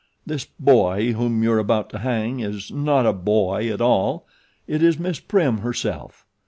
This boy whom you are about to hang is not a boy at all it is Miss Prim, herself.